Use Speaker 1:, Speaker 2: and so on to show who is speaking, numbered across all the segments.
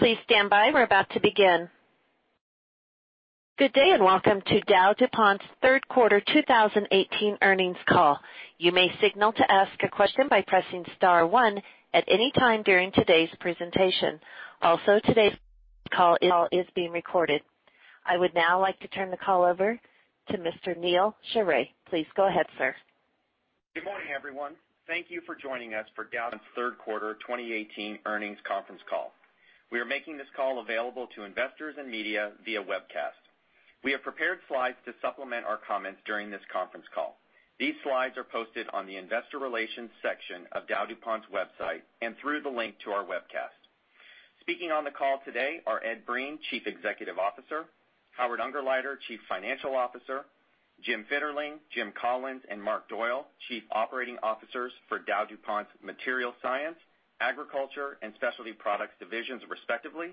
Speaker 1: Please stand by. We're about to begin. Good day. Welcome to DowDuPont's third quarter 2018 earnings call. You may signal to ask a question by pressing star one at any time during today's presentation. Today's call is being recorded. I would now like to turn the call over to Mr. Neal Sheorey. Please go ahead, sir.
Speaker 2: Good morning, everyone. Thank you for joining us for Dow's third quarter 2018 earnings conference call. We are making this call available to investors and media via webcast. We have prepared slides to supplement our comments during this conference call. These slides are posted on the investor relations section of DowDuPont's website and through the link to our webcast. Speaking on the call today are Ed Breen, Chief Executive Officer, Howard Ungerleider, Chief Financial Officer, Jim Fitterling, Jim Collins, and Marc Doyle, Chief Operating Officers for DowDuPont's Material Science, Agriculture, and Specialty Products divisions respectively,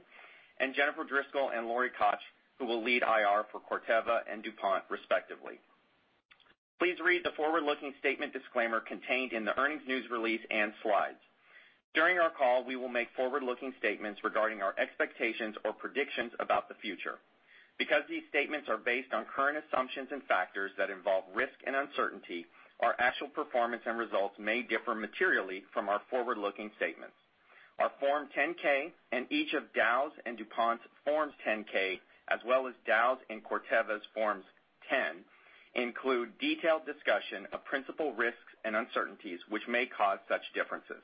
Speaker 2: and Jennifer Driscoll and Lori Koch, who will lead IR for Corteva and DuPont respectively. Please read the forward-looking statement disclaimer contained in the earnings news release and slides. During our call, we will make forward-looking statements regarding our expectations or predictions about the future. Because these statements are based on current assumptions and factors that involve risk and uncertainty, our actual performance and results may differ materially from our forward-looking statements. Our Form 10-K and each of Dow's and DuPont's Forms 10-K, as well as Dow's and Corteva's Forms 10, include detailed discussion of principal risks and uncertainties which may cause such differences.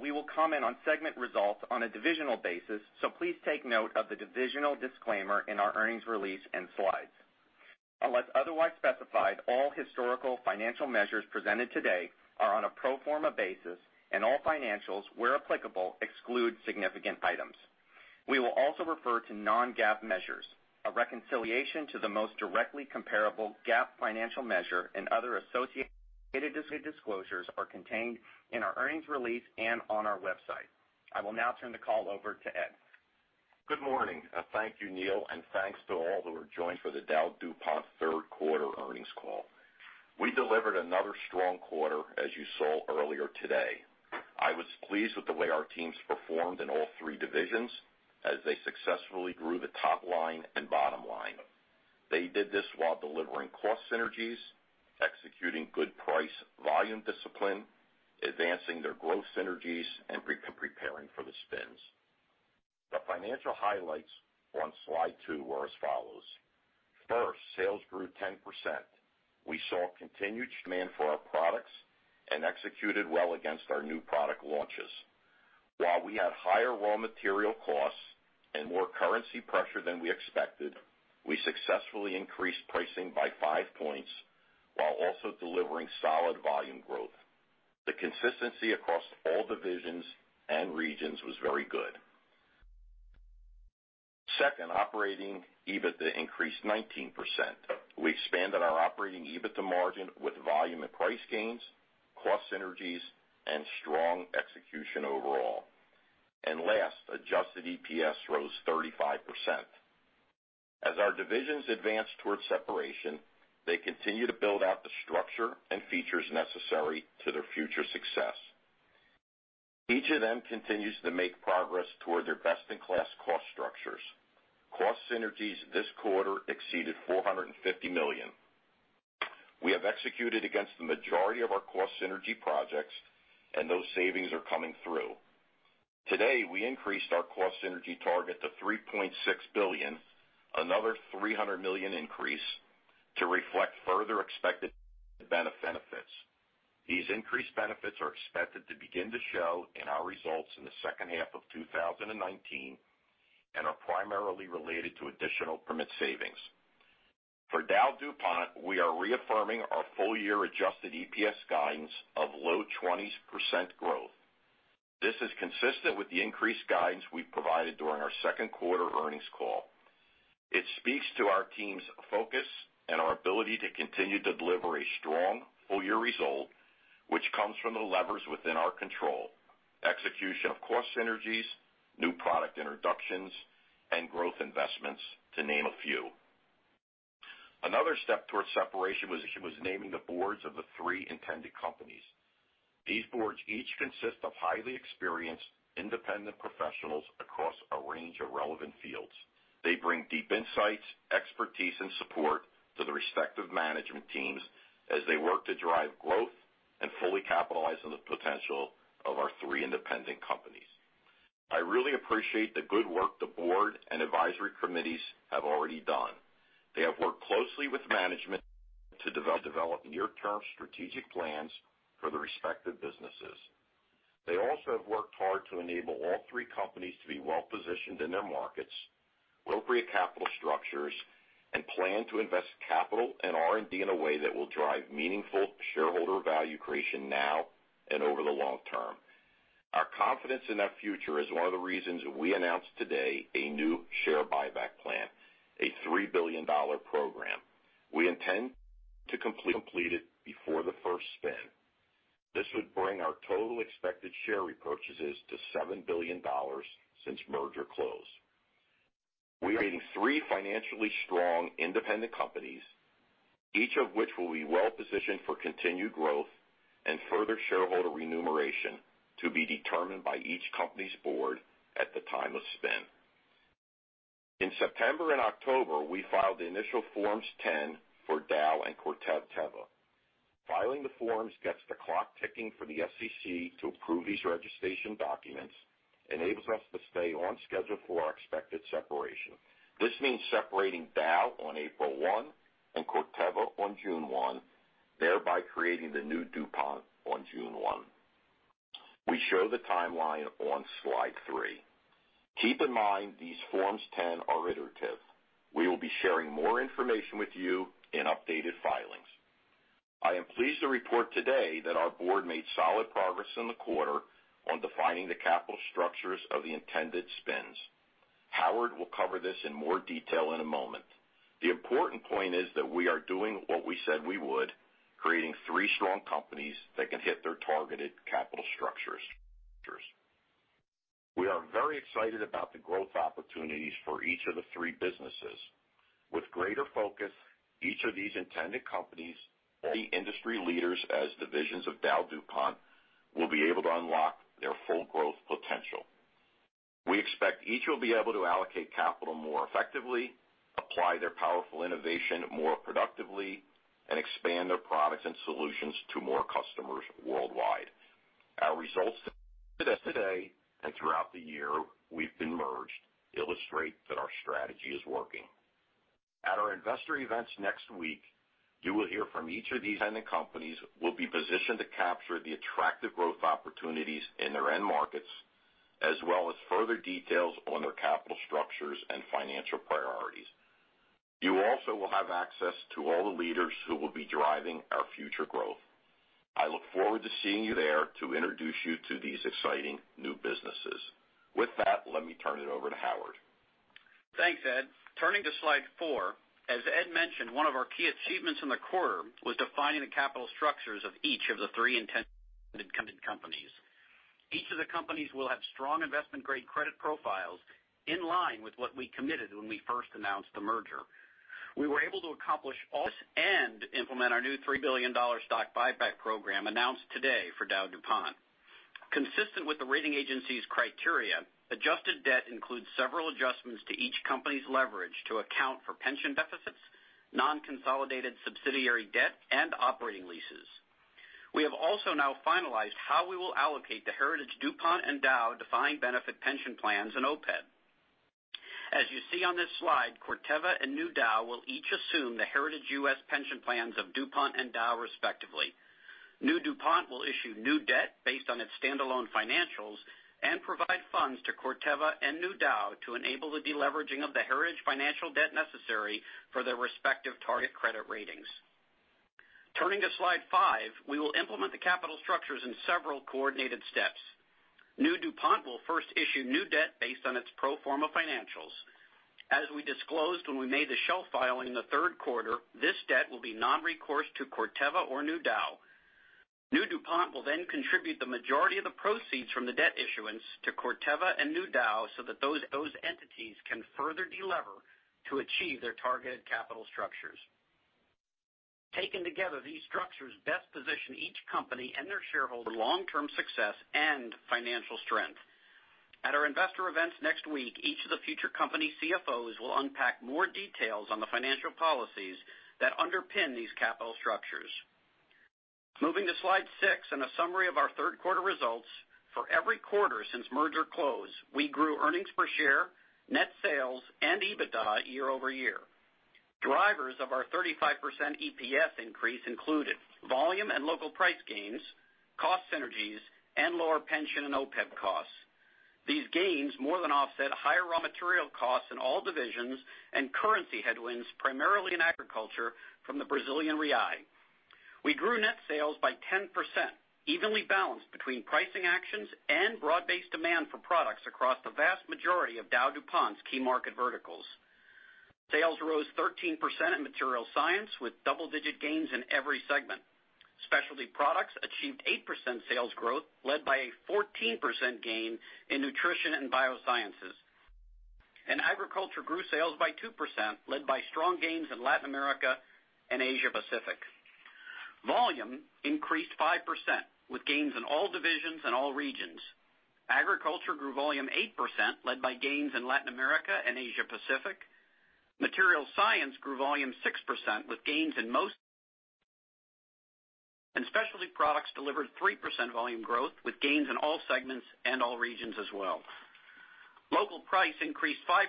Speaker 2: We will comment on segment results on a divisional basis. Please take note of the divisional disclaimer in our earnings release and slides. Unless otherwise specified, all historical financial measures presented today are on a pro forma basis, and all financials, where applicable, exclude significant items. We will also refer to non-GAAP measures. A reconciliation to the most directly comparable GAAP financial measure and other associated disclosures are contained in our earnings release and on our website. I will now turn the call over to Ed.
Speaker 3: Good morning. Thank you, Neal, and thanks to all who are joined for the DowDuPont third quarter earnings call. We delivered another strong quarter, as you saw earlier today. I was pleased with the way our teams performed in all three divisions as they successfully grew the top line and bottom line. They did this while delivering cost synergies, executing good price volume discipline, advancing their growth synergies, and preparing for the spins. The financial highlights on slide two are as follows. First, sales grew 10%. We saw continued demand for our products and executed well against our new product launches. While we had higher raw material costs and more currency pressure than we expected, we successfully increased pricing by five points while also delivering solid volume growth. The consistency across all divisions and regions was very good. Second, operating EBITDA increased 19%. We expanded our operating EBITDA margin with volume and price gains, cost synergies, and strong execution overall. Last, adjusted EPS rose 35%. As our divisions advance towards separation, they continue to build out the structure and features necessary to their future success. Each of them continues to make progress toward their best-in-class cost structures. Cost synergies this quarter exceeded $450 million. We have executed against the majority of our cost synergy projects, and those savings are coming through. Today, we increased our cost synergy target to $3.6 billion, another $300 million increase, to reflect further expected benefits. These increased benefits are expected to begin to show in our results in the second half of 2019 and are primarily related to additional permit savings. For DowDuPont, we are reaffirming our full-year adjusted EPS guidance of low 20s% growth. This is consistent with the increased guidance we provided during our second quarter earnings call. It speaks to our team's focus and our ability to continue to deliver a strong full-year result, which comes from the levers within our control, execution of cost synergies, new product introductions, and growth investments, to name a few. Another step towards separation was naming the boards of the three intended companies. These boards each consist of highly experienced independent professionals across a range of relevant fields. They bring deep insights, expertise, and support to the respective management teams as they work to drive growth and fully capitalize on the potential of our three independent companies. I really appreciate the good work the board and advisory committees have already done. They have worked closely with management to develop near-term strategic plans for the respective businesses. They also have worked hard to enable all three companies to be well positioned in their markets, appropriate capital structures, and plan to invest capital and R&D in a way that will drive meaningful shareholder value creation now and over the long term. Our confidence in that future is one of the reasons we announced today a new share buyback plan, a $3 billion program. We intend to complete it before the first spin. This would bring our total expected share repurchases to $7 billion since merger close. We are creating three financially strong independent companies, each of which will be well-positioned for continued growth and further shareholder remuneration to be determined by each company's board at the time of spin. In September and October, we filed the initial Forms 10 for Dow and Corteva. Filing the forms gets the clock ticking for the SEC to approve these registration documents, enables us to stay on schedule for our expected separation. This means separating Dow on April 1 and Corteva on June 1, thereby creating the new DuPont on June 1. We show the timeline on slide three. Keep in mind these Forms 10 are iterative. We will be sharing more information with you in updated filings. I am pleased to report today that our board made solid progress in the quarter on defining the capital structures of the intended spins. Howard will cover this in more detail in a moment. The important point is that we are doing what we said we would, creating three strong companies that can hit their targeted capital structures. We are very excited about the growth opportunities for each of the three businesses. With greater focus, each of these intended companies, all industry leaders as divisions of DowDuPont, will be able to unlock their full growth potential. We expect each will be able to allocate capital more effectively, apply their powerful innovation more productively, and expand their products and solutions to more customers worldwide. Our results to date and throughout the year we've been merged illustrate that our strategy is working. At our investor events next week, you will hear from each of these companies will be positioned to capture the attractive growth opportunities in their end markets, as well as further details on their capital structures and financial priorities. You also will have access to all the leaders who will be driving our future growth. I look forward to seeing you there to introduce you to these exciting new businesses. With that, let me turn it over to Howard.
Speaker 4: Thanks, Ed. Turning to slide four. As Ed mentioned, one of our key achievements in the quarter was defining the capital structures of each of the three intended companies. Each of the companies will have strong investment-grade credit profiles in line with what we committed when we first announced the merger. We were able to accomplish all this and implement our new $3 billion stock buyback program announced today for DowDuPont. Consistent with the rating agency's criteria, adjusted debt includes several adjustments to each company's leverage to account for pension deficits, non-consolidated subsidiary debt, and operating leases. We have also now finalized how we will allocate the heritage DuPont and Dow defined benefit pension plans in OPEB. As you see on this slide, Corteva and new Dow will each assume the heritage U.S. pension plans of DuPont and Dow, respectively. New DuPont will issue new debt based on its standalone financials and provide funds to Corteva and new Dow to enable the deleveraging of the heritage financial debt necessary for their respective target credit ratings. Turning to slide five, we will implement the capital structures in several coordinated steps. New DuPont will first issue new debt based on its pro forma financials. As we disclosed when we made the shelf filing in the third quarter, this debt will be non-recourse to Corteva or new Dow. New DuPont will then contribute the majority of the proceeds from the debt issuance to Corteva and new Dow so that those entities can further delever to achieve their targeted capital structures. Taken together, these structures best position each company and their shareholders for long-term success and financial strength. At our investor events next week, each of the future company CFOs will unpack more details on the financial policies that underpin these capital structures. Moving to slide six and a summary of our third quarter results. For every quarter since merger close, we grew earnings per share, net sales, and EBITDA year-over-year. Drivers of our 35% EPS increase included volume and local price gains, cost synergies, and lower pension and OPEB costs. These gains more than offset higher raw material costs in all divisions and currency headwinds, primarily in agriculture from the Brazilian real. We grew net sales by 10%, evenly balanced between pricing actions and broad-based demand for products across the vast majority of DowDuPont's key market verticals. Sales rose 13% in Material Science with double-digit gains in every segment. Specialty Products achieved 8% sales growth, led by a 14% gain in Nutrition & Biosciences. Agriculture grew sales by 2%, led by strong gains in Latin America and Asia Pacific. Volume increased 5%, with gains in all divisions and all regions. Agriculture grew volume 8%, led by gains in Latin America and Asia Pacific. Material Science grew volume 6%, with gains in most. Specialty Products delivered 3% volume growth, with gains in all segments and all regions as well. Local price increased 5%,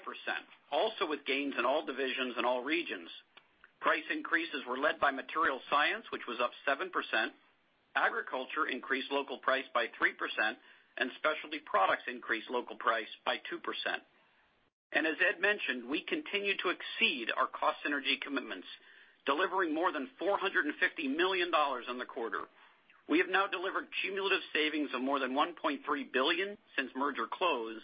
Speaker 4: also with gains in all divisions and all regions. Price increases were led by Material Science, which was up 7%. Agriculture increased local price by 3%, and Specialty Products increased local price by 2%. As Ed mentioned, we continue to exceed our cost synergy commitments, delivering more than $450 million in the quarter. We have now delivered cumulative savings of more than $1.3 billion since merger close.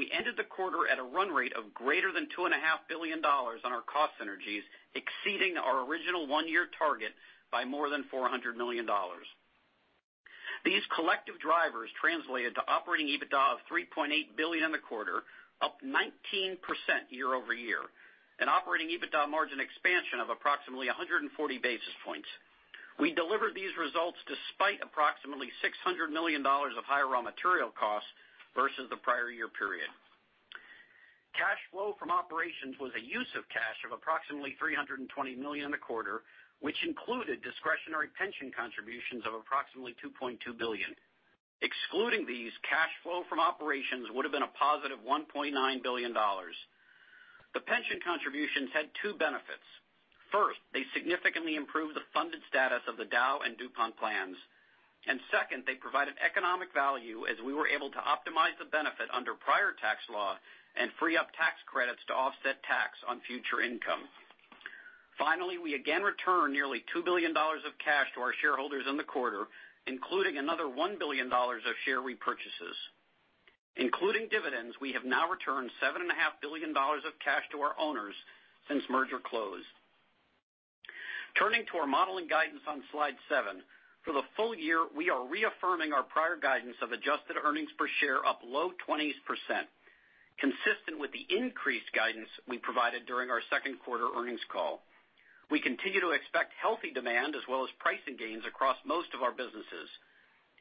Speaker 4: We ended the quarter at a run rate of greater than $2.5 billion on our cost synergies, exceeding our original one-year target by more than $400 million. These collective drivers translated to operating EBITDA of $3.8 billion in the quarter, up 19% year-over-year, an operating EBITDA margin expansion of approximately 140 basis points. We delivered these results despite approximately $600 million of higher raw material costs versus the prior year period. Cash flow from operations was a use of cash of approximately $320 million in the quarter, which included discretionary pension contributions of approximately $2.2 billion. Excluding these, cash flow from operations would've been a positive $1.9 billion. The pension contributions had two benefits. First, they significantly improved the funded status of the Dow and DuPont plans. Second, they provided economic value as we were able to optimize the benefit under prior tax law and free up tax credits to offset tax on future income. Finally, we again returned nearly $2 billion of cash to our shareholders in the quarter, including another $1 billion of share repurchases. Including dividends, we have now returned $7.5 billion of cash to our owners since merger closed. Turning to our model and guidance on slide seven. For the full year, we are reaffirming our prior guidance of adjusted earnings per share up low 20s percent, consistent with the increased guidance we provided during our second quarter earnings call. We continue to expect healthy demand as well as pricing gains across most of our businesses.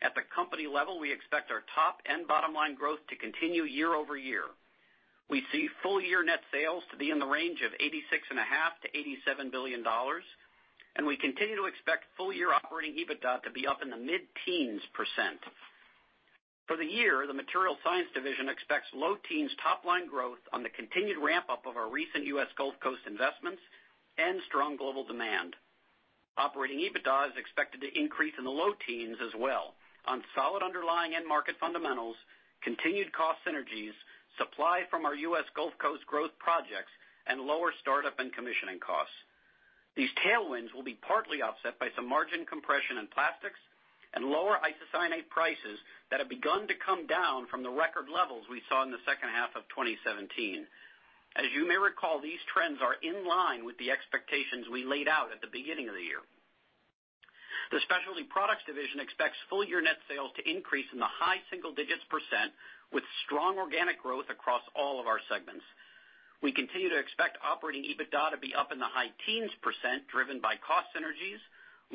Speaker 4: At the company level, we expect our top and bottom line growth to continue year-over-year. We see full-year net sales to be in the range of $86.5 billion-$87 billion. We continue to expect full-year operating EBITDA to be up in the mid-teens percent. For the year, the Material Science division expects low teens top line growth on the continued ramp-up of our recent U.S. Gulf Coast investments and strong global demand. Operating EBITDA is expected to increase in the low teens as well on solid underlying end market fundamentals, continued cost synergies, supply from our U.S. Gulf Coast growth projects, and lower startup and commissioning costs. These tailwinds will be partly offset by some margin compression in plastics and lower isocyanate prices that have begun to come down from the record levels we saw in the second half of 2017. As you may recall, these trends are in line with the expectations we laid out at the beginning of the year. The Specialty Products Division expects full-year net sales to increase in the high single digits %, with strong organic growth across all of our segments. We continue to expect Operating EBITDA to be up in the high teens %, driven by cost synergies,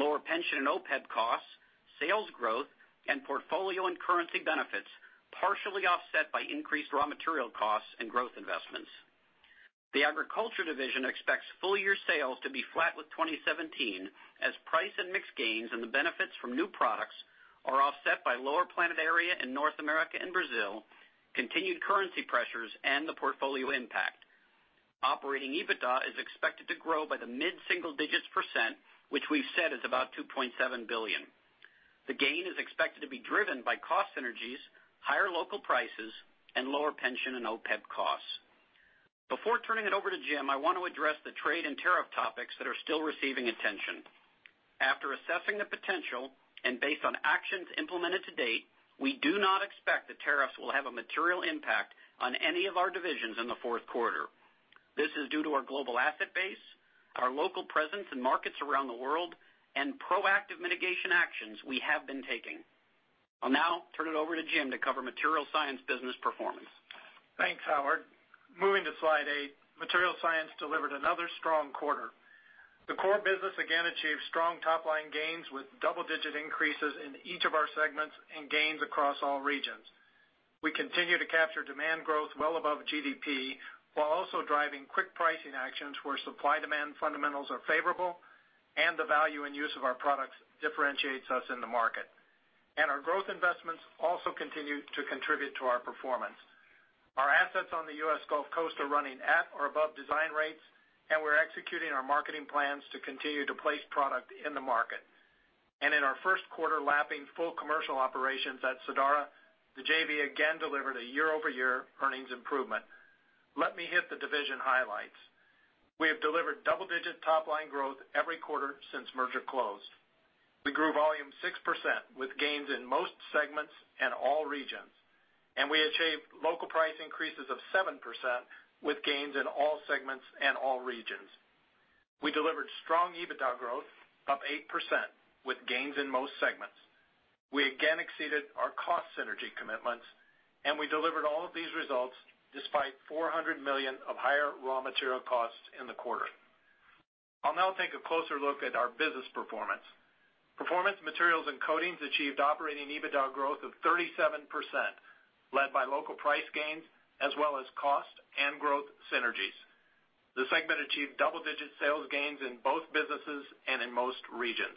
Speaker 4: lower pension and OPEB costs, sales growth, and portfolio and currency benefits, partially offset by increased raw material costs and growth investments. The Agriculture Division expects full-year sales to be flat with 2017 as price and mixed gains and the benefits from new products are offset by lower planted area in North America and Brazil, continued currency pressures, and the portfolio impact. Operating EBITDA is expected to grow by the mid-single digits %, which we've said is about $2.7 billion. The gain is expected to be driven by cost synergies, higher local prices, and lower pension and OPEB costs. Before turning it over to Jim, I want to address the trade and tariff topics that are still receiving attention. After assessing the potential and based on actions implemented to date, we do not expect that tariffs will have a material impact on any of our divisions in the fourth quarter. This is due to our global asset base, our local presence in markets around the world, and proactive mitigation actions we have been taking. I'll now turn it over to Jim to cover Material Science business performance.
Speaker 5: Thanks, Howard. Moving to slide eight, Material Science delivered another strong quarter. The core business again achieved strong top-line gains with double-digit increases in each of our segments and gains across all regions. We continue to capture demand growth well above GDP, while also driving quick pricing actions where supply-demand fundamentals are favorable and the value and use of our products differentiates us in the market. Our growth investments also continue to contribute to our performance. Our assets on the U.S. Gulf Coast are running at or above design rates, and we're executing our marketing plans to continue to place product in the market. In our first quarter lapping full commercial operations at Sadara, the JV again delivered a year-over-year earnings improvement. Let me hit the division highlights. We have delivered double-digit top-line growth every quarter since merger closed. We grew volume 6% with gains in most segments and all regions. We achieved local price increases of 7% with gains in all segments and all regions. We delivered strong EBITDA growth up 8% with gains in most segments. We again exceeded our cost synergy commitments. We delivered all of these results despite $400 million of higher raw material costs in the quarter. I'll now take a closer look at our business performance. Performance Materials & Coatings achieved Operating EBITDA growth of 37%, led by local price gains as well as cost and growth synergies. The segment achieved double-digit sales gains in both businesses and in most regions.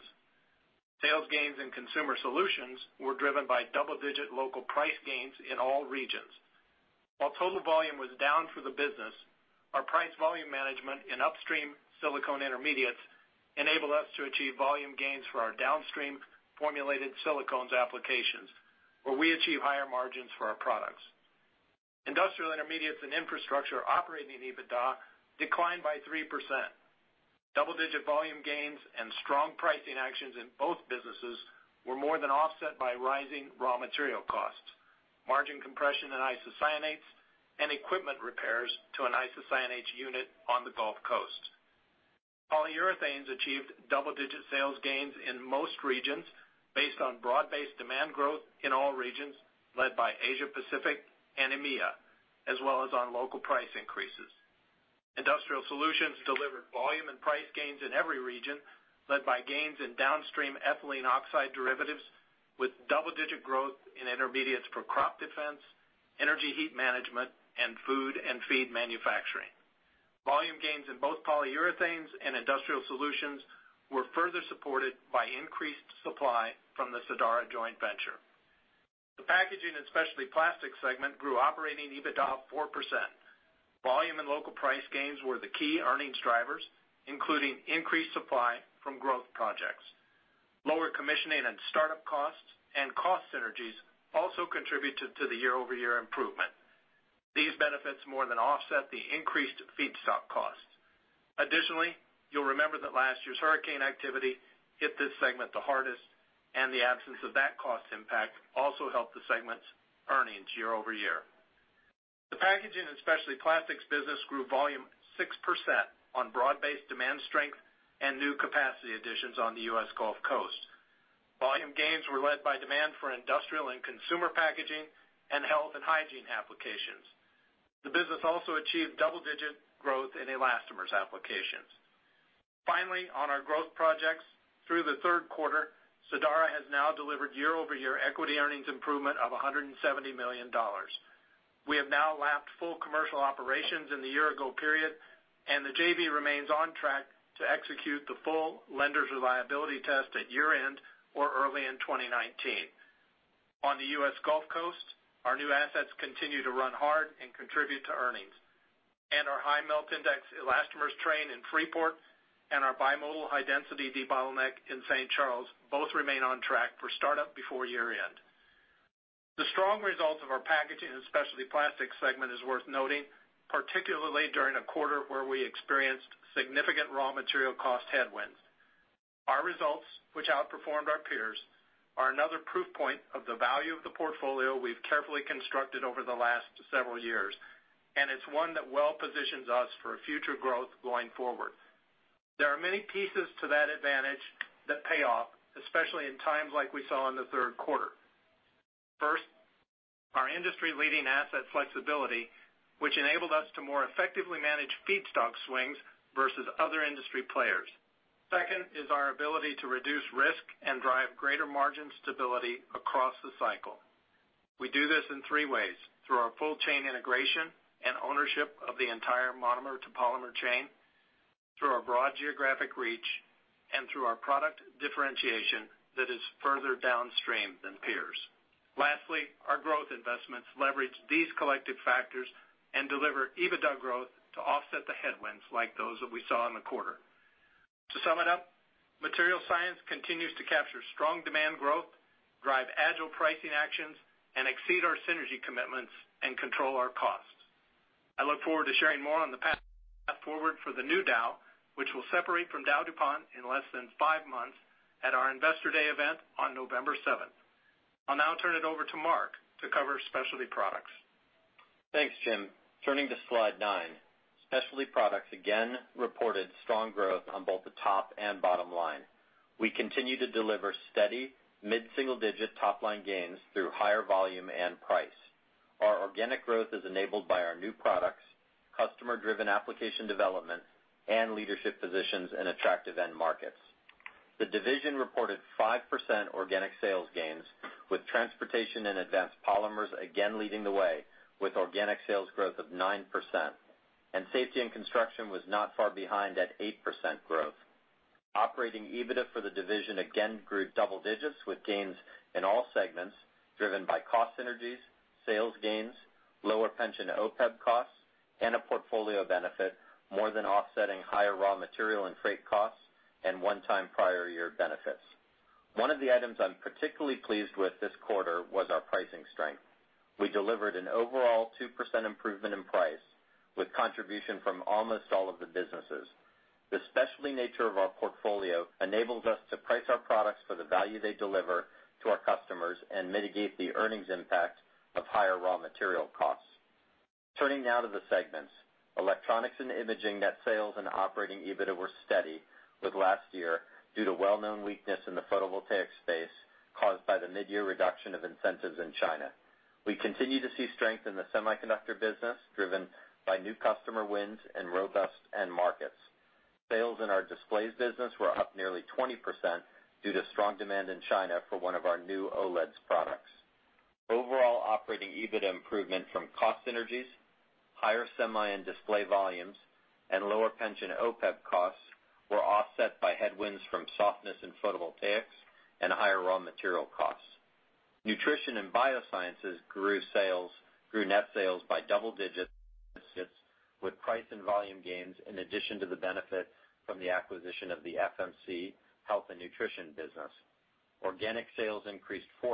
Speaker 5: Sales gains in Consumer Solutions were driven by double-digit local price gains in all regions. While total volume was down for the business, our price volume management in upstream silicone intermediates enabled us to achieve volume gains for our downstream formulated silicones applications, where we achieve higher margins for our products. Industrial Intermediates & Infrastructure operating EBITDA declined by 3%. Double-digit volume gains and strong pricing actions in both businesses were more than offset by rising raw material costs, margin compression in isocyanates, and equipment repairs to an isocyanates unit on the Gulf Coast. Polyurethanes achieved double-digit sales gains in most regions based on broad-based demand growth in all regions, led by Asia Pacific and EMEA, as well as on local price increases. Industrial Solutions delivered volume and price gains in every region, led by gains in downstream ethylene oxide derivatives, with double-digit growth in intermediates for crop defense, energy heat management, and food and feed manufacturing. Volume gains in both polyurethanes and Industrial Solutions were further supported by increased supply from the Sadara joint venture. The Packaging and Specialty Plastics segment grew operating EBITDA 4%. Volume and local price gains were the key earnings drivers, including increased supply from growth projects. Lower commissioning and start-up costs and cost synergies also contributed to the year-over-year improvement. These benefits more than offset the increased feedstock costs. Additionally, you'll remember that last year's hurricane activity hit this segment the hardest, and the absence of that cost impact also helped the segment's earnings year-over-year. The Packaging and Specialty Plastics business grew volume 6% on broad-based demand strength and new capacity additions on the U.S. Gulf Coast. Volume gains were led by demand for industrial and consumer packaging and health and hygiene applications. The business also achieved double-digit growth in elastomers applications. Finally, on our growth projects through the third quarter, Sadara has now delivered year-over-year equity earnings improvement of $170 million. We have now lapped full commercial operations in the year-ago period, and the JV remains on track to execute the full lenders' reliability test at year-end or early in 2019. On the U.S. Gulf Coast, our new assets continue to run hard and contribute to earnings. Our high melt index elastomers train in Freeport and our bimodal high-density debottleneck in St. Charles both remain on track for start-up before year-end. The strong results of our Packaging and Specialty Plastics segment is worth noting, particularly during a quarter where we experienced significant raw material cost headwinds. Our results, which outperformed our peers, are another proof point of the value of the portfolio we've carefully constructed over the last several years, and it's one that well positions us for future growth going forward. There are many pieces to that advantage that pay off, especially in times like we saw in the third quarter. First, our industry-leading asset flexibility, which enabled us to more effectively manage feedstock swings versus other industry players. Second is our ability to reduce risk and drive greater margin stability across the cycle. We do this in three ways: through our full chain integration and ownership of the entire monomer-to-polymer chain, through our broad geographic reach, and through our product differentiation that is further downstream than peers. Lastly, our growth investments leverage these collective factors and deliver EBITDA growth to offset the headwinds like those that we saw in the quarter. To sum it up, Material Science continues to capture strong demand growth, drive agile pricing actions, and exceed our synergy commitments and control our costs. I look forward to sharing more on the path forward for the new Dow, which will separate from DowDuPont in less than 5 months, at our Investor Day event on November 7th. I'll now turn it over to Marc to cover Specialty Products.
Speaker 6: Thanks, Jim. Turning to slide nine. Specialty Products again reported strong growth on both the top and bottom line. We continue to deliver steady mid-single-digit top-line gains through higher volume and price. Our organic growth is enabled by our new products, customer-driven application development, and leadership positions in attractive end markets. The division reported 5% organic sales gains, with Transportation & Advanced Polymers again leading the way with organic sales growth of 9%. Safety & Construction was not far behind at 8% growth. Operating EBITDA for the division again grew double digits with gains in all segments, driven by cost synergies, sales gains, lower pension OPEB costs, and a portfolio benefit more than offsetting higher raw material and freight costs and one-time prior year benefits. One of the items I'm particularly pleased with this quarter was our pricing strength. We delivered an overall 2% improvement in price, with contribution from almost all of the businesses. The specialty nature of our portfolio enables us to price our products for the value they deliver to our customers and mitigate the earnings impact of higher raw material costs. Turning now to the segments. Electronics and Imaging net sales and Operating EBITDA were steady with last year due to well-known weakness in the photovoltaic space caused by the mid-year reduction of incentives in China. We continue to see strength in the semiconductor business, driven by new customer wins and robust end markets. Sales in our displays business were up nearly 20% due to strong demand in China for one of our new OLEDs products. Overall Operating EBITDA improvement from cost synergies, higher semi and display volumes, and lower pension OPEB costs were offset by headwinds from softness in photovoltaics and higher raw material costs. Nutrition & Biosciences grew net sales by double digits with price and volume gains in addition to the benefit from the acquisition of the FMC Corporation health and nutrition business. Organic sales increased 4%.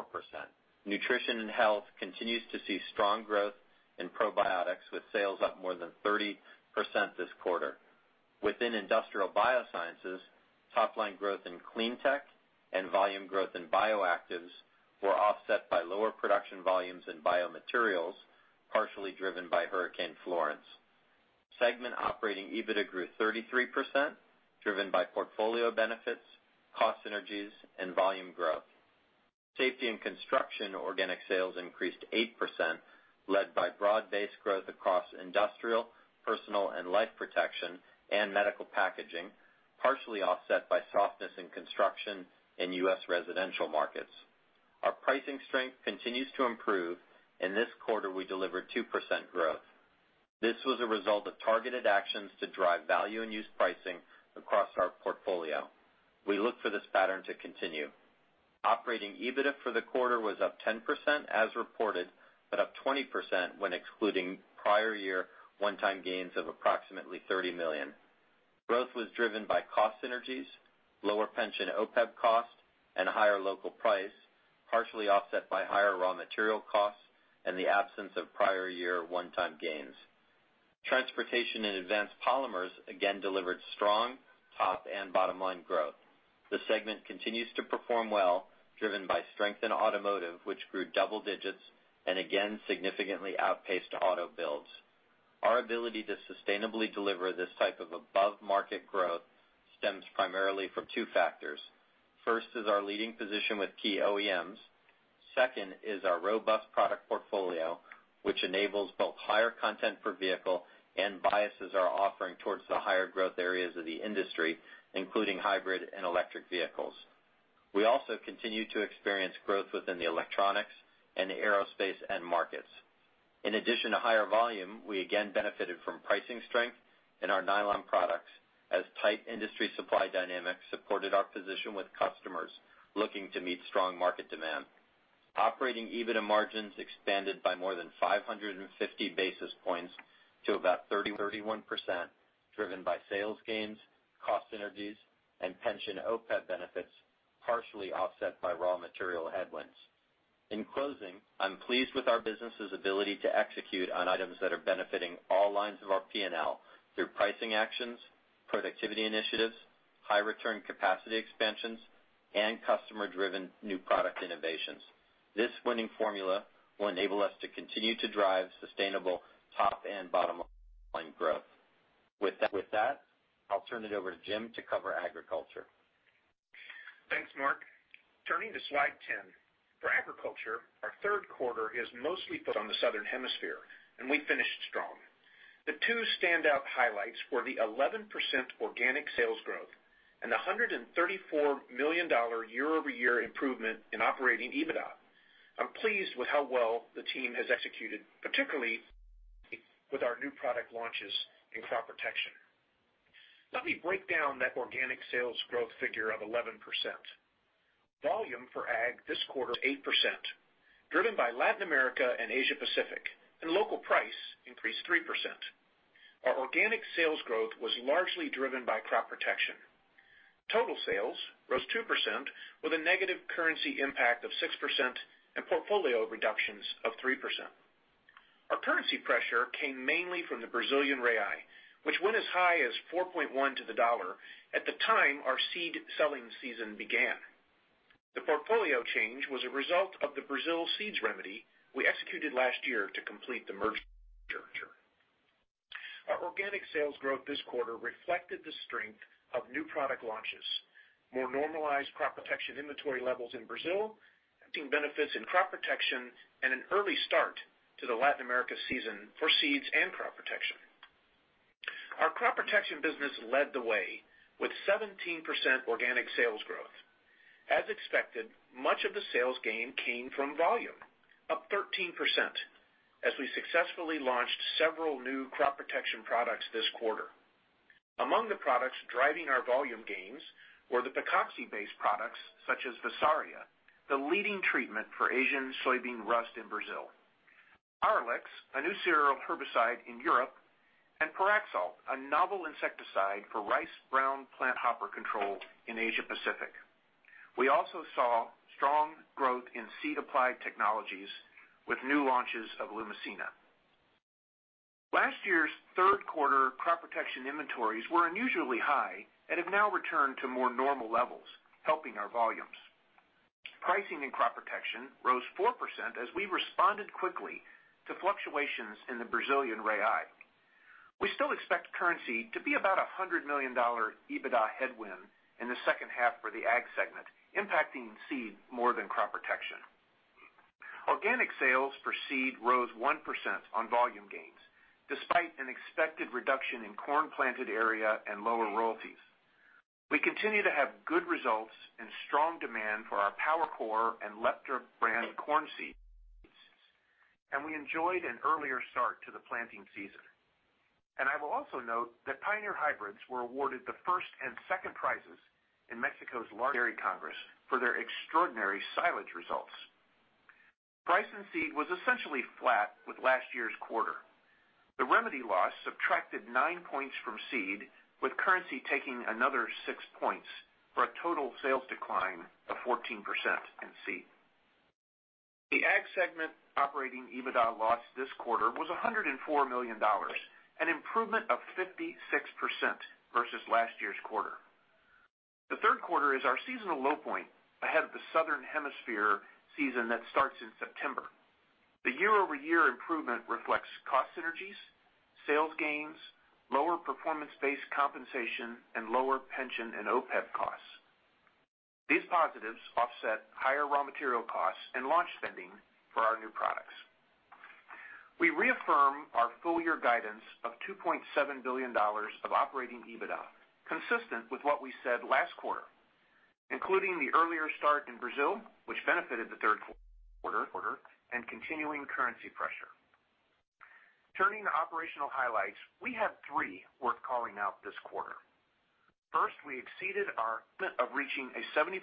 Speaker 6: Nutrition and Health continues to see strong growth in probiotics, with sales up more than 30% this quarter. Within Industrial Biosciences, top-line growth in clean tech and volume growth in bioactives were offset by lower production volumes in biomaterials. Partially driven by Hurricane Florence. Segment Operating EBITDA grew 33%, driven by portfolio benefits, cost synergies, and volume growth. Safety & Construction organic sales increased 8%, led by broad-based growth across industrial, personal and life protection, and medical packaging, partially offset by softness in construction in U.S. residential markets. Our pricing strength continues to improve. In this quarter, we delivered 2% growth. This was a result of targeted actions to drive value and use pricing across our portfolio. We look for this pattern to continue. Operating EBITDA for the quarter was up 10% as reported, but up 20% when excluding prior year one-time gains of approximately $30 million. Growth was driven by cost synergies, lower pension OPEB cost, and higher local price, partially offset by higher raw material costs and the absence of prior year one-time gains. Transportation & Advanced Polymers again delivered strong top and bottom-line growth. The segment continues to perform well, driven by strength in automotive, which grew double digits and again significantly outpaced auto builds. Our ability to sustainably deliver this type of above-market growth stems primarily from two factors. First is our leading position with key OEMs. Second is our robust product portfolio, which enables both higher content per vehicle and biases our offering towards the higher growth areas of the industry, including hybrid and electric vehicles. We also continue to experience growth within the electronics and aerospace end markets. In addition to higher volume, we again benefited from pricing strength in our nylon products as tight industry supply dynamics supported our position with customers looking to meet strong market demand. Operating EBITDA margins expanded by more than 550 basis points to about 31%, driven by sales gains, cost synergies, and pension OPEB benefits, partially offset by raw material headwinds. In closing, I'm pleased with our business's ability to execute on items that are benefiting all lines of our P&L through pricing actions, productivity initiatives, high return capacity expansions, and customer-driven new product innovations. This winning formula will enable us to continue to drive sustainable top and bottom-line growth. With that, I'll turn it over to Jim to cover Agriculture.
Speaker 7: Thanks, Marc. Turning to slide 10. For Agriculture, our third quarter is mostly focused on the Southern Hemisphere, and we finished strong. The two standout highlights were the 11% organic sales growth and the $134 million year-over-year improvement in operating EBITDA. I'm pleased with how well the team has executed, particularly with our new product launches in crop protection. Let me break down that organic sales growth figure of 11%. Volume for ag this quarter was 8%, driven by Latin America and Asia Pacific, and local price increased 3%. Our organic sales growth was largely driven by crop protection. Total sales rose 2% with a negative currency impact of 6% and portfolio reductions of 3%. Our currency pressure came mainly from the Brazilian real, which went as high as 4.1 to the dollar at the time our seed selling season began. The portfolio change was a result of the Brazil seeds remedy we executed last year to complete the merger. Our organic sales growth this quarter reflected the strength of new product launches, more normalized crop protection inventory levels in Brazil, seeing benefits in crop protection and an early start to the Latin America season for seeds and crop protection. Our crop protection business led the way with 17% organic sales growth. As expected, much of the sales gain came from volume, up 13%, as we successfully launched several new crop protection products this quarter. Among the products driving our volume gains were the picoxi-based products such as Vessarya, the leading treatment for Asian soybean rust in Brazil, Arylex, a new cereal herbicide in Europe, and Pyraxalt, a novel insecticide for rice brown planthopper control in Asia Pacific. We also saw strong growth in seed applied technologies with new launches of Lumisena. Last year's third quarter crop protection inventories were unusually high and have now returned to more normal levels, helping our volumes. Pricing in crop protection rose 4% as we responded quickly to fluctuations in the Brazilian real. We still expect currency to be about $100 million EBITDA headwind in the second half for the ag segment, impacting seed more than crop protection. Organic sales for seed rose 1% on volume gains, despite an expected reduction in corn planted area and lower royalties. We continue to have good results and strong demand for our PowerCore and Leptra brand corn seeds. We enjoyed an earlier start to the planting season. I will also note that Pioneer Hi-Bred were awarded the first and second prizes in Mexico's large dairy congress for their extraordinary silage results. Price in seed was essentially flat with last year's quarter. The remedy loss subtracted nine points from seed, with currency taking another six points, for a total sales decline of 14% in seed. The ag segment operating EBITDA loss this quarter was $104 million, an improvement of 56% versus last year's quarter. The third quarter is our seasonal low point ahead of the Southern Hemisphere season that starts in September. The year-over-year improvement reflects cost synergies, sales gains, lower performance-based compensation, and lower pension and OPEB costs. These positives offset higher raw material costs and launch spending for our new products. We reaffirm our full-year guidance of $2.7 billion of operating EBITDA, consistent with what we said last quarter, including the earlier start in Brazil, which benefited the third quarter, and continuing currency pressure. Turning to operational highlights, we have three worth calling out this quarter. First, we exceeded our commitment of reaching a 75%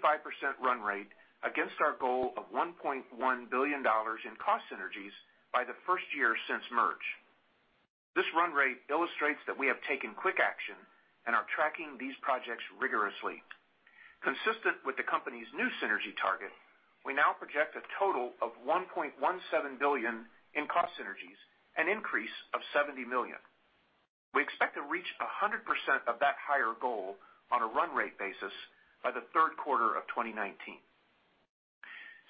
Speaker 7: run rate against our goal of $1.1 billion in cost synergies by the first year since merger. This run rate illustrates that we have taken quick action and are tracking these projects rigorously. Consistent with the company's new synergy target, we now project a total of $1.17 billion in cost synergies, an increase of $70 million. We expect to reach 100% of that higher goal on a run rate basis by the third quarter of 2019.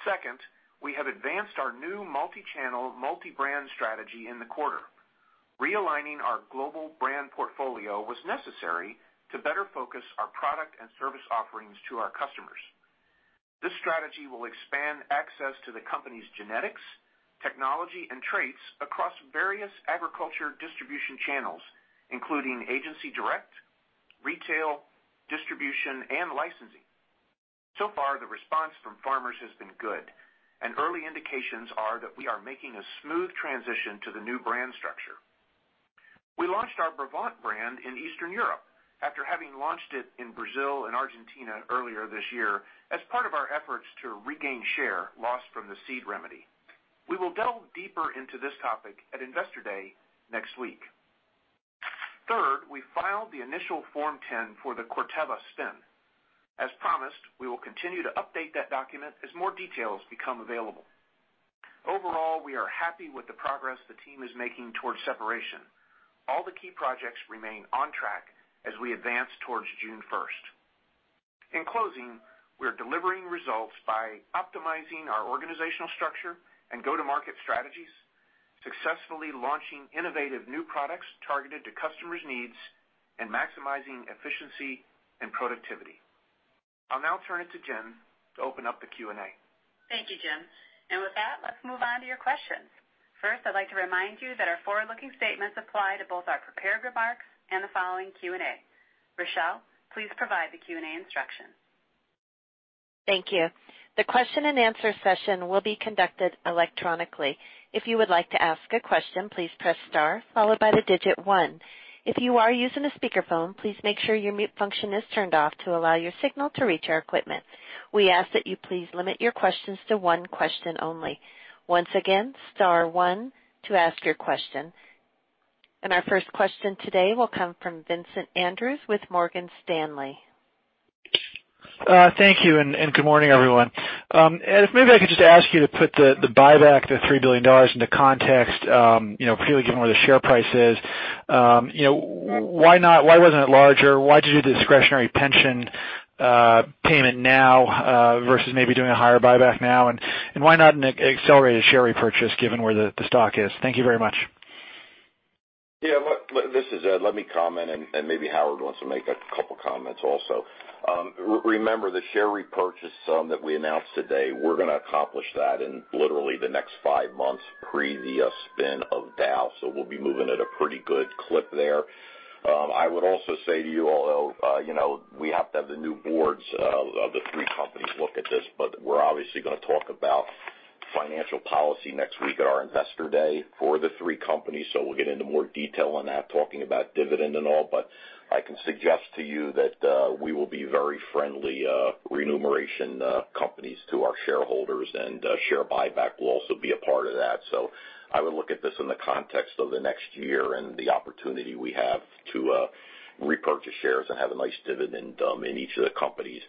Speaker 7: Second, we have advanced our new multi-channel, multi-brand strategy in the quarter. Realigning our global brand portfolio was necessary to better focus our product and service offerings to our customers. This strategy will expand access to the company's genetics, technology, and traits across various agriculture distribution channels, including agency direct, retail, distribution, and licensing. So far, the response from farmers has been good, early indications are that we are making a smooth transition to the new brand structure. We launched our Brevant brand in Eastern Europe after having launched it in Brazil and Argentina earlier this year as part of our efforts to regain share lost from the seed remedy. We will delve deeper into this topic at Investor Day next week. Third, we filed the initial Form 10 for the Corteva spin. As promised, we will continue to update that document as more details become available. Overall, we are happy with the progress the team is making towards separation. All the key projects remain on track as we advance towards June 1st. In closing, we're delivering results by optimizing our organizational structure and go-to-market strategies, successfully launching innovative new products targeted to customers' needs, and maximizing efficiency and productivity. I'll now turn it to Jen to open up the Q&A.
Speaker 8: Thank you, Jim. With that, let's move on to your questions. First, I'd like to remind you that our forward-looking statements apply to both our prepared remarks and the following Q&A. Rochelle, please provide the Q&A instructions.
Speaker 1: Thank you. The question and answer session will be conducted electronically. If you would like to ask a question, please press star followed by the digit one. If you are using a speakerphone, please make sure your mute function is turned off to allow your signal to reach our equipment. We ask that you please limit your questions to one question only. Once again, star one to ask your question. Our first question today will come from Vincent Andrews with Morgan Stanley.
Speaker 9: Thank you, and good morning, everyone. Ed, maybe I could just ask you to put the buyback, the $3 billion into context, particularly given where the share price is. Why wasn't it larger? Why'd you do the discretionary pension payment now versus maybe doing a higher buyback now? Why not an accelerated share repurchase given where the stock is? Thank you very much.
Speaker 3: Yeah. This is Ed. Let me comment, and maybe Howard wants to make a couple of comments also. Remember the share repurchase sum that we announced today, we're going to accomplish that in literally the next five months pre the spin of Dow. We'll be moving at a pretty good clip there. I would also say to you all, we have to have the new boards of the three companies look at this, but we're obviously going to talk about financial policy next week at our Investor Day for the three companies. We'll get into more detail on that, talking about dividend and all, but I can suggest to you that we will be very friendly remuneration companies to our shareholders, and share buyback will also be a part of that. I would look at this in the context of the next year and the opportunity we have to repurchase shares and have a nice dividend in each of the companies.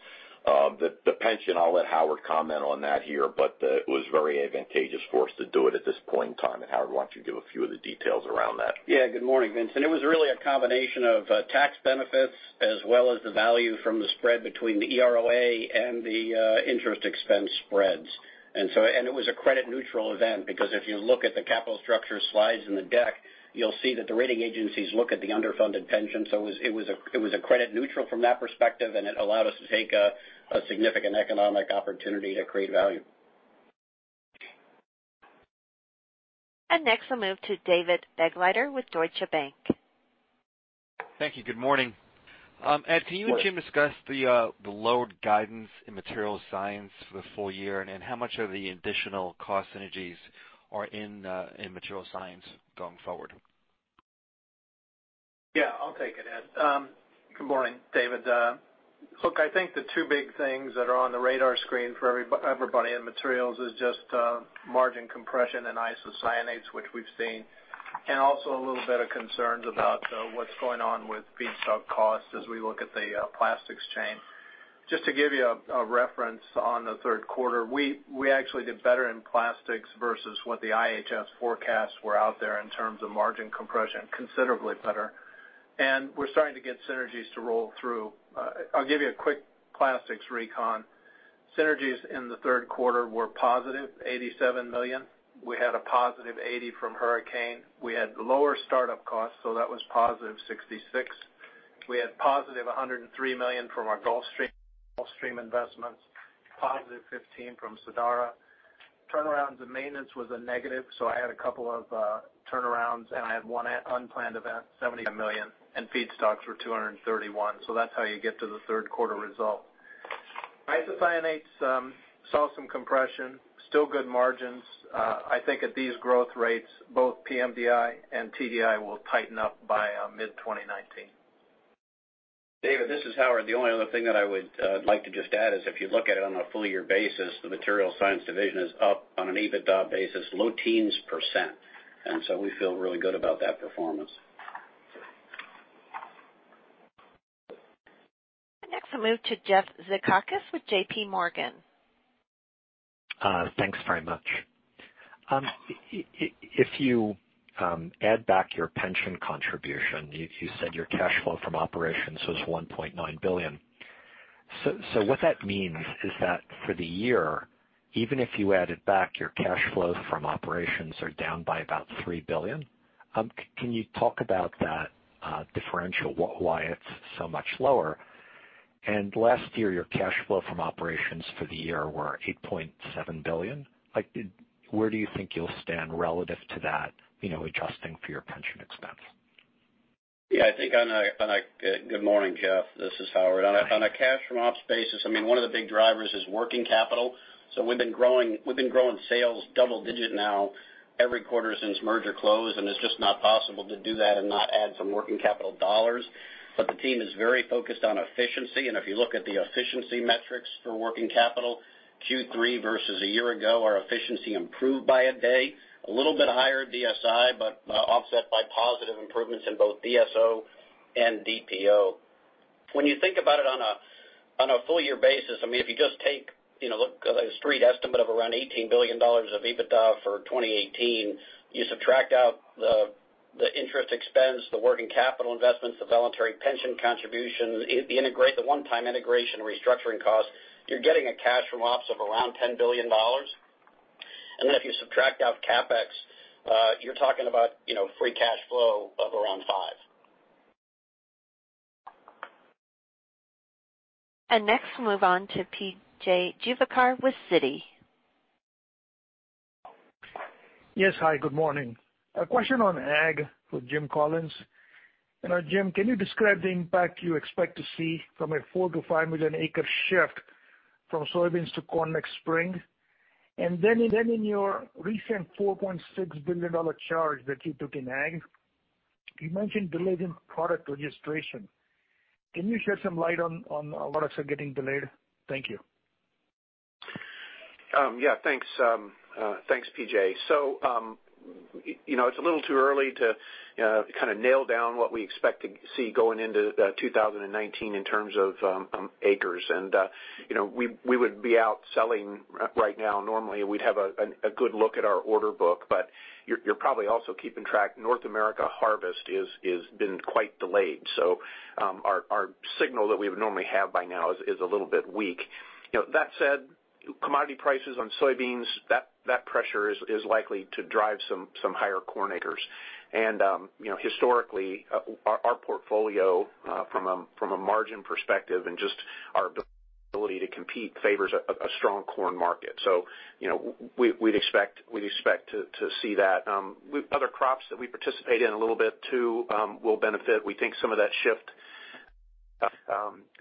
Speaker 3: The pension, I'll let Howard comment on that here, but it was very advantageous for us to do it at this point in time. Howard, why don't you give a few of the details around that?
Speaker 4: Yeah. Good morning, Vincent. It was really a combination of tax benefits as well as the value from the spread between the EROA and the interest expense spreads. It was a credit neutral event because if you look at the capital structure slides in the deck, you'll see that the rating agencies look at the underfunded pension. It was a credit neutral from that perspective, and it allowed us to take a significant economic opportunity to create value.
Speaker 1: Next, I'll move to David Begleiter with Deutsche Bank.
Speaker 10: Thank you. Good morning. Ed, can you and Jim discuss the lowered guidance in Materials Science for the full year, and how much of the additional cost synergies are in Materials Science going forward?
Speaker 5: Yeah, I'll take it, Ed. Good morning, David. Look, I think the two big things that are on the radar screen for everybody in Materials is just margin compression and isocyanates, which we've seen, also a little bit of concerns about what's going on with feedstock costs as we look at the plastics chain. Just to give you a reference on the third quarter, we actually did better in plastics versus what the IHS forecasts were out there in terms of margin compression, considerably better. We're starting to get synergies to roll through. I'll give you a quick plastics recon. Synergies in the third quarter were positive, $87 million. We had a positive $80 million from Hurricane. We had lower startup costs, so that was positive $66 million. We had positive $103 million from our Gulf Coast investments, positive $15 million from Sadara. Turnarounds and maintenance was a negative, so I had a couple of turnarounds and I had one unplanned event, $70 million, and feedstocks were $231 million. That's how you get to the third quarter result. Isocyanates saw some compression, still good margins. I think at these growth rates, both pMDI and TDI will tighten up by mid-2019.
Speaker 4: David, this is Howard. The only other thing that I would like to just add is if you look at it on a full year basis, the Material Science division is up on an EBITDA basis, low teens %. We feel really good about that performance.
Speaker 1: Next, I'll move to Jeffrey Zekauskas with J.P. Morgan.
Speaker 11: Thanks very much. If you add back your pension contribution, you said your cash flow from operations was $1.9 billion. What that means is that for the year, even if you added back, your cash flows from operations are down by about $3 billion. Can you talk about that differential, why it's so much lower? Last year, your cash flow from operations for the year were $8.7 billion. Where do you think you'll stand relative to that, adjusting for your pension expense?
Speaker 4: Yeah. Good morning, Jeff. This is Howard. On a cash from ops basis, one of the big drivers is working capital. We've been growing sales double-digit now every quarter since merger close, and it's just not possible to do that and not add some working capital dollars. The team is very focused on efficiency, and if you look at the efficiency metrics for working capital, Q3 versus one year ago, our efficiency improved by one day, a little bit higher DSI, but offset by positive improvements in both DSO and DPO. When you think about it on a full year basis, if you just take a street estimate of around $18 billion of EBITDA for 2018, you subtract out the interest expense, the working capital investments, the voluntary pension contribution, the one-time integration restructuring costs, you're getting a cash from ops of around $10 billion. If you subtract out CapEx, you're talking about free cash flow of around $5.
Speaker 1: Next we'll move on to P.J. Juvekar with Citi.
Speaker 12: Yes. Hi, good morning. A question on Ag for Jim Collins. Jim, can you describe the impact you expect to see from a 4 million acre to 5 million acre shift from soybeans to corn next spring? In your recent $4.6 billion charge that you took in Ag, you mentioned delays in product registration. Can you shed some light on what else are getting delayed? Thank you.
Speaker 7: Thanks, P.J. It's a little too early to nail down what we expect to see going into 2019 in terms of acres. We would be out selling right now. Normally, we'd have a good look at our order book. You're probably also keeping track, North America harvest has been quite delayed. Our signal that we would normally have by now is a little bit weak. That said, commodity prices on soybeans, that pressure is likely to drive some higher corn acres. Historically, our portfolio from a margin perspective and just our ability to compete favors a strong corn market. We'd expect to see that. Other crops that we participate in a little bit too will benefit. We think some of that shift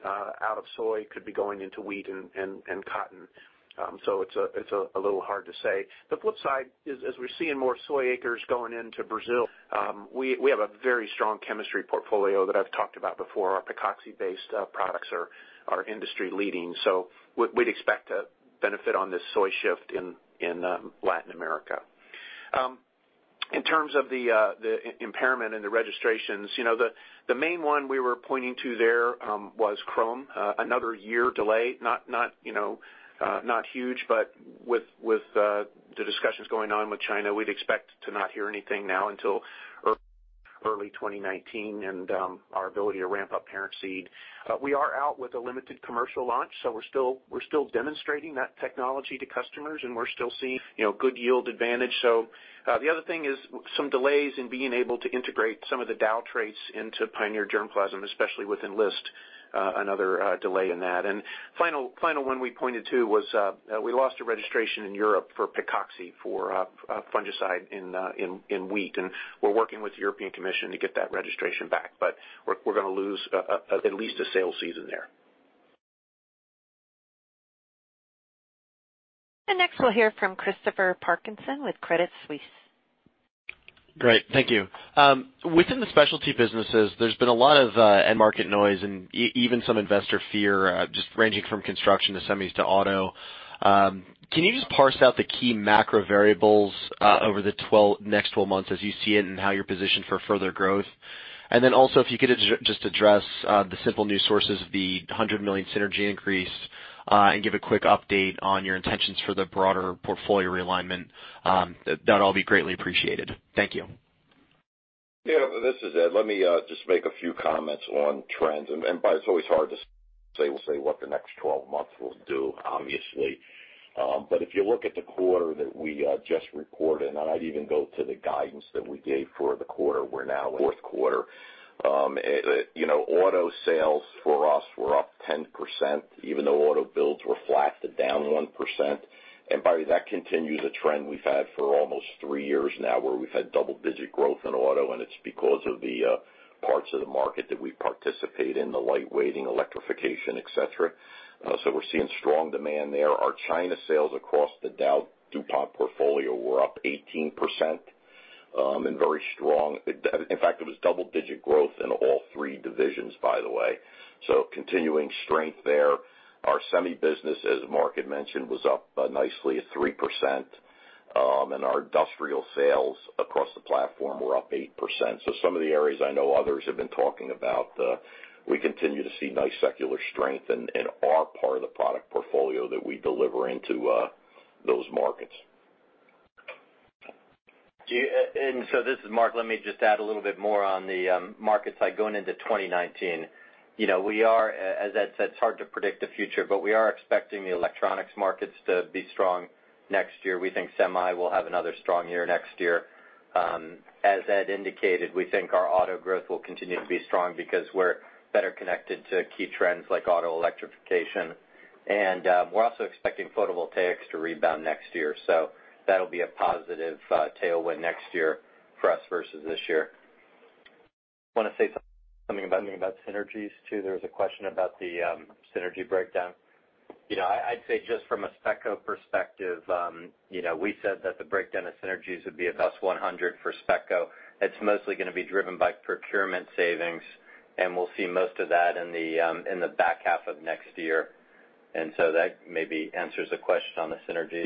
Speaker 7: out of soy could be going into wheat and cotton. It's a little hard to say. The flip side is, as we're seeing more soy acres going into Brazil, we have a very strong chemistry portfolio that I've talked about before. Our picoxy-based products are industry leading. We'd expect to benefit on this soy shift in Latin America. In terms of the impairment and the registrations, the main one we were pointing to there was Qrome. Another year delay, not huge, but with the discussions going on with China, we'd expect to not hear anything now until early 2019 and our ability to ramp up parent seed. We are out with a limited commercial launch, so we're still demonstrating that technology to customers, and we're still seeing good yield advantage. The other thing is some delays in being able to integrate some of the Dow traits into Pioneer germplasm, especially with Enlist, another delay in that. Final one we pointed to was we lost a registration in Europe for picoxy for fungicide in wheat, and we're working with the European Commission to get that registration back. We're going to lose at least a sales season there.
Speaker 1: Next we'll hear from Christopher Parkinson with Credit Suisse.
Speaker 13: Great. Thank you. Within the specialty businesses, there's been a lot of end market noise and even some investor fear, just ranging from construction to semis to auto. Can you just parse out the key macro variables over the next 12 months as you see it and how you're positioned for further growth? Also, if you could just address the simple news sources of the $100 million synergy increase, and give a quick update on your intentions for the broader portfolio realignment. That'd all be greatly appreciated. Thank you.
Speaker 3: This is Ed. Let me just make a few comments on trends, it's always hard to say what the next 12 months will do, obviously. If you look at the quarter that we just reported, I'd even go to the guidance that we gave for the quarter, we're now fourth quarter. Auto sales for us were up 10%, even though auto builds were flat to down 1%. By that continues a trend we've had for almost three years now, where we've had double-digit growth in auto, it's because of the parts of the market that we participate in, the lightweighting, electrification, et cetera. We're seeing strong demand there. Our China sales across the DowDuPont portfolio were up 18%, very strong. In fact, it was double-digit growth in all three divisions, by the way. Continuing strength there. Our semi business, as Marc had mentioned, was up nicely at 3%, our industrial sales across the platform were up 8%. Some of the areas I know others have been talking about, we continue to see nice secular strength in our part of the product portfolio that we deliver into those markets.
Speaker 6: This is Marc. Let me just add a little bit more on the markets side going into 2019. As Ed said, it's hard to predict the future, we are expecting the electronics markets to be strong next year. We think semi will have another strong year next year. As Ed indicated, we think our auto growth will continue to be strong because we're better connected to key trends like auto electrification. We're also expecting photovoltaics to rebound next year. That'll be a positive tailwind next year for us versus this year. Want to say something about synergies too? There was a question about the synergy breakdown. I'd say just from a SpecCo perspective, we said that the breakdown of synergies would be a +100 for SpecCo. It's mostly going to be driven by procurement savings, we'll see most of that in the back half of next year. That maybe answers the question on the synergy.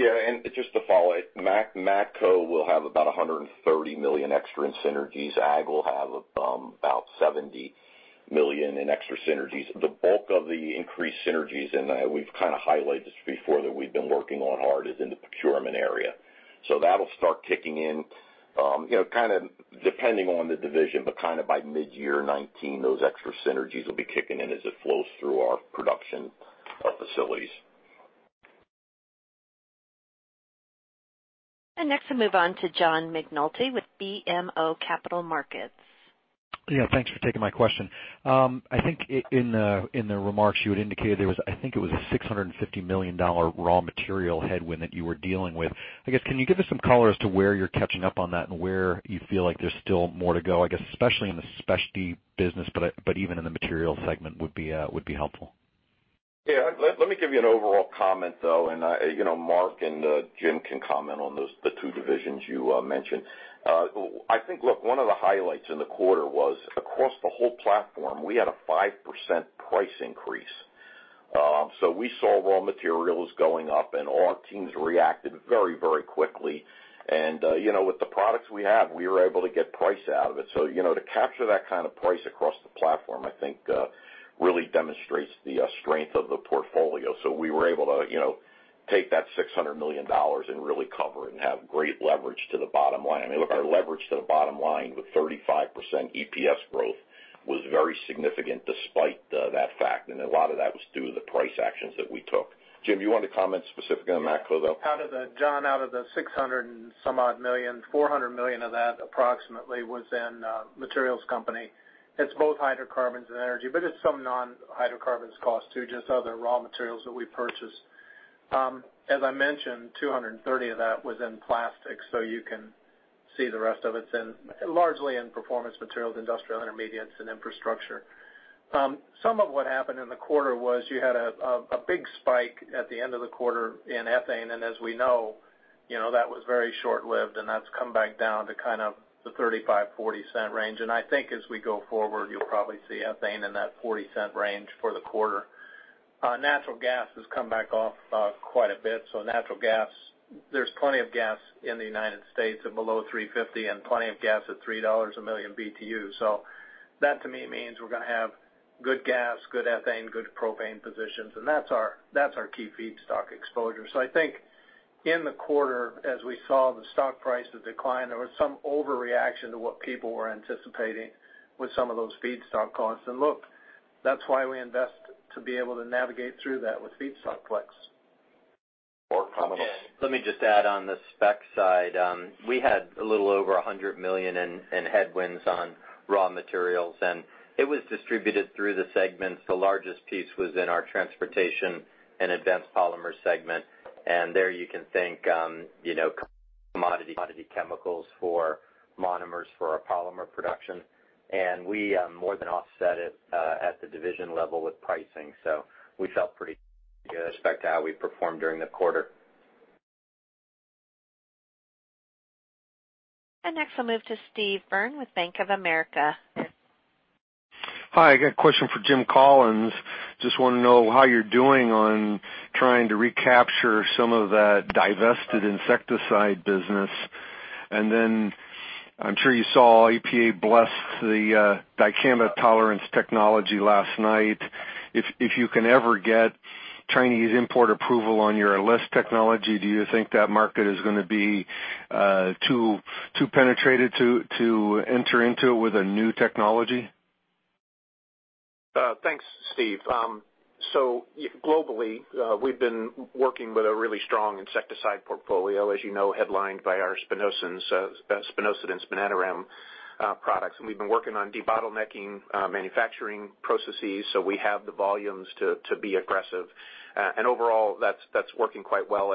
Speaker 3: Just to follow it, MatCo will have about $130 million extra in synergies. Ag will have about $70 million in extra synergies. The bulk of the increased synergies, and we've kind of highlighted this before that we've been working on hard, is in the procurement area. That'll start kicking in, kind of depending on the division, but kind of by mid-year 2019, those extra synergies will be kicking in as it flows through our production facilities.
Speaker 1: Next, we'll move on to John McNulty with BMO Capital Markets.
Speaker 14: Thanks for taking my question. In the remarks, you had indicated there was, I think, it was a $650 million raw material headwind that you were dealing with. Can you give us some color as to where you're catching up on that and where you feel like there's still more to go, I guess, especially in the Specialty business, but even in the Materials segment would be helpful.
Speaker 3: Let me give you an overall comment, though, Marc and Jim can comment on the two divisions you mentioned. Look, one of the highlights in the quarter was across the whole platform, we had a 5% price increase. We saw raw materials going up and all our teams reacted very quickly. With the products we have, we were able to get price out of it. To capture that kind of price across the platform, I think really demonstrates the strength of the portfolio. We were able to take that $600 million and really cover it and have great leverage to the bottom line. Our leverage to the bottom line with 35% EPS growth was very significant despite that fact, and a lot of that was due to the price actions that we took. Jim, do you want to comment specifically on MatCo, though?
Speaker 5: John, out of the $600 and some odd million, $400 million of that approximately was in materials company. It's both hydrocarbons and energy, but it's some non-hydrocarbons cost, too, just other raw materials that we purchased. As I mentioned, $230 of that was in plastics, so you can see the rest of it's largely in Performance Materials, Industrial Intermediates & Infrastructure. Some of what happened in the quarter was you had a big spike at the end of the quarter in ethane, as we know, that was very short-lived, and that's come back down to kind of the $0.35-$0.40 range. I think as we go forward, you'll probably see ethane in that $0.40 range for the quarter. Natural gas has come back off quite a bit. Natural gas, there's plenty of gas in the U.S. at below $3.50 and plenty of gas at $3 a million BTU. That to me means we're going to have good gas, good ethane, good propane positions, and that's our key feedstock exposure. I think in the quarter, as we saw the stock prices decline, there was some overreaction to what people were anticipating with some of those feedstock costs. Look, that's why we invest to be able to navigate through that with feedstock flex.
Speaker 3: Marc, comment.
Speaker 6: Let me just add on the spec side. We had a little over $100 million in headwinds on raw materials, it was distributed through the segments. The largest piece was in our Transportation & Advanced Polymers segment. There you can think commodity chemicals for monomers for our polymer production. We more than offset it at the division level with pricing. We felt pretty good with respect to how we performed during the quarter.
Speaker 1: Next, we'll move to Steve Byrne with Bank of America.
Speaker 15: Hi, I got a question for Jim Collins. Just want to know how you're doing on trying to recapture some of that divested insecticide business. I'm sure you saw EPA bless the Dicamba tolerance technology last night. If you can ever get Chinese import approval on your Enlist technology. Do you think that market is going to be too penetrated to enter into with a new technology?
Speaker 7: Thanks, Steve. Globally, we've been working with a really strong insecticide portfolio, as you know, headlined by our spinosyns, spinosad and spinetoram products. We've been working on debottlenecking manufacturing processes, so we have the volumes to be aggressive. Overall, that's working quite well.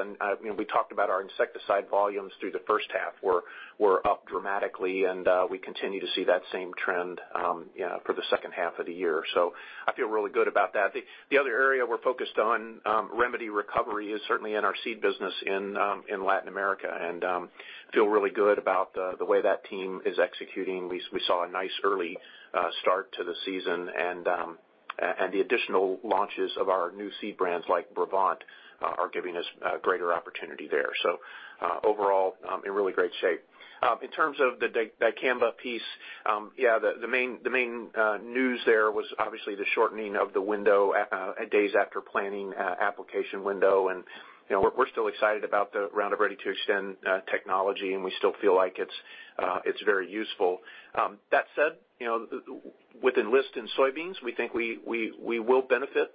Speaker 7: We talked about our insecticide volumes through the first half were up dramatically, and we continue to see that same trend for the second half of the year. I feel really good about that. The other area we're focused on, remedy recovery is certainly in our seed business in Latin America, and feel really good about the way that team is executing. We saw a nice early start to the season and the additional launches of our new seed brands like Brevant are giving us greater opportunity there. Overall, in really great shape. In terms of the Dicamba piece, the main news there was obviously the shortening of the window, days after planting application window. We're still excited about the Roundup Ready 2 Xtend technology, and we still feel like it's very useful. That said, with Enlist in soybeans, we think we will benefit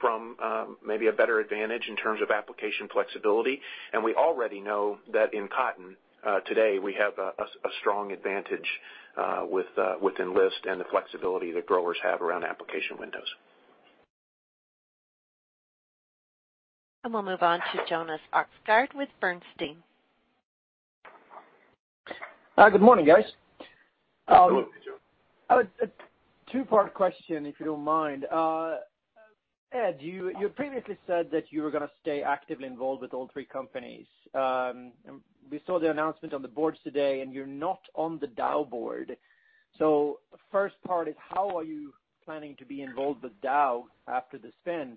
Speaker 7: from maybe a better advantage in terms of application flexibility. We already know that in cotton today, we have a strong advantage with Enlist and the flexibility that growers have around application windows.
Speaker 1: We'll move on to Jonas Oxgaard with Bernstein.
Speaker 16: Good morning, guys.
Speaker 3: Good morning, Jonas.
Speaker 16: A two-part question, if you don't mind. Ed, you previously said that you were going to stay actively involved with all three companies. We saw the announcement on the boards today, you're not on the Dow board. The first part is, how are you planning to be involved with Dow after the spin?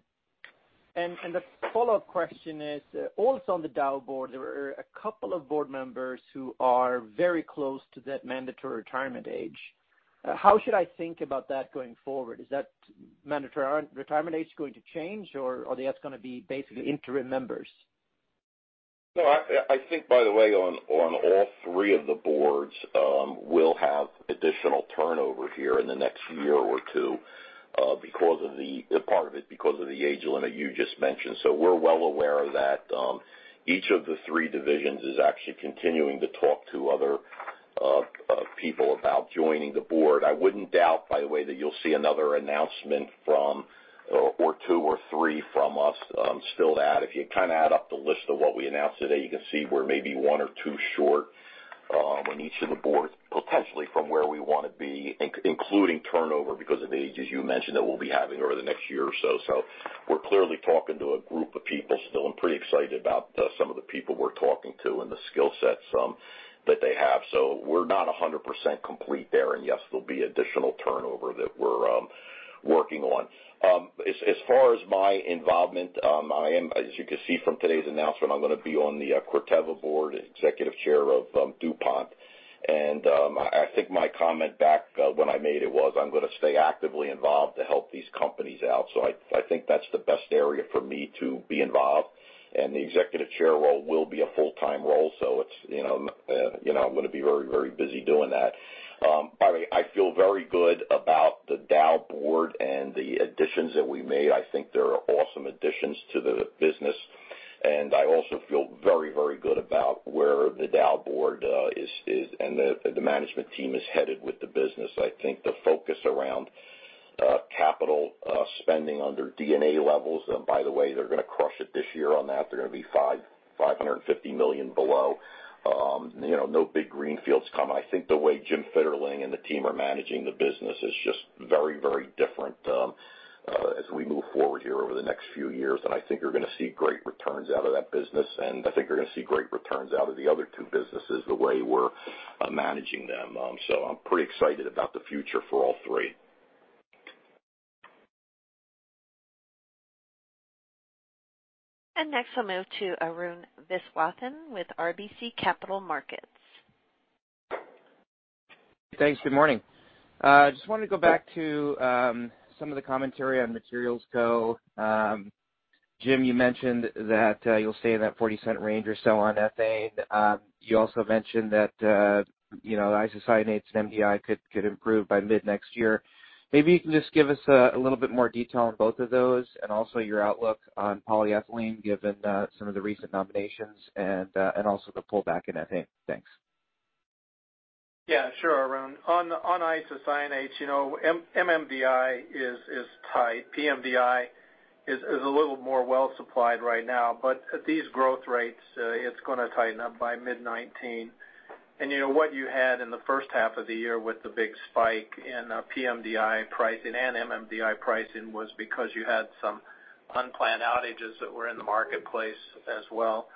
Speaker 16: The follow-up question is, also on the Dow board, there are a couple of board members who are very close to that mandatory retirement age. How should I think about that going forward? Is that mandatory retirement age going to change, or are they just going to be basically interim members?
Speaker 3: No, I think, by the way, on all three of the boards, we'll have additional turnover here in the next year or two part of it because of the age limit you just mentioned. We're well aware of that. Each of the three divisions is actually continuing to talk to other people about joining the board. I wouldn't doubt, by the way, that you'll see another announcement or two or three from us still to add. If you add up the list of what we announced today, you can see we're maybe one or two short on each of the boards, potentially from where we want to be, including turnover because of the ages you mentioned that we'll be having over the next year or so. We're clearly talking to a group of people still. I'm pretty excited about some of the people we're talking to and the skill sets that they have. We're not 100% complete there. Yes, there'll be additional turnover that we're working on. As far as my involvement, as you can see from today's announcement, I'm going to be on the Corteva board, Executive Chair of DuPont. I think my comment back when I made it was I'm going to stay actively involved to help these companies out. I think that's the best area for me to be involved. The Executive Chair role will be a full-time role, so I'm going to be very busy doing that. By the way, I feel very good about the Dow board and the additions that we made. I think they're awesome additions to the business. I also feel very good about where the Dow board is, the management team is headed with the business. I think the focus around capital spending under D&A levels. By the way, they're going to crush it this year on that. They're going to be $550 million below. No big greenfields coming. I think the way Jim Fitterling and the team are managing the business is just very different as we move forward here over the next few years. I think you're going to see great returns out of that business, I think you're going to see great returns out of the other two businesses the way we're managing them. I'm pretty excited about the future for all three.
Speaker 1: Next I'll move to Arun Viswanathan with RBC Capital Markets.
Speaker 17: Thanks. Good morning. Just wanted to go back to some of the commentary on Materials Co. Jim, you mentioned that you'll stay in that $0.40 range or so on ethane. You also mentioned that isocyanates and MDI could improve by mid next year. Maybe you can just give us a little bit more detail on both of those and also your outlook on polyethylene, given some of the recent nominations and also the pullback in ethane. Thanks.
Speaker 5: Yeah, sure, Arun. On isocyanates, MDI is tight. PMDI is a little more well-supplied right now. At these growth rates, it's going to tighten up by mid 2019. What you had in the first half of the year with the big spike in PMDI pricing and MDI pricing was because you had some unplanned outages that were in the marketplace as well.